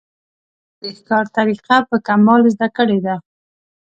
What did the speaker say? باز د ښکار طریقه په کمال زده کړې ده